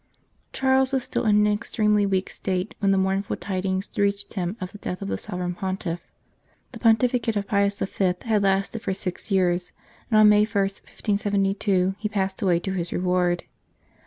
CHARLES was still in an extremely weak state when the mournful tidings reached him of the death of the Sovereign Pontiff. The pontificate of Pius V. had lasted for six years, and on May i, 1572, he passed away to his reward.